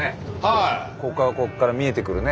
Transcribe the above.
ここからここから見えてくるね。